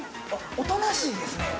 おとなしいです。